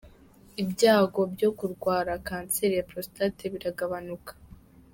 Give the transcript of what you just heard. Ibyago byo kurwara kanseri ya prostate biragabanuka.